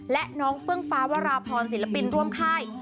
และน้องเฟื้องฟ้าวราพรศิลปินร่วมค่าย